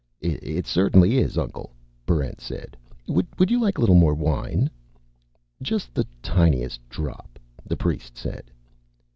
"It certainly is, Uncle," Barrent said. "Would you like a little more wine?" "Just the tiniest drop," the priest said.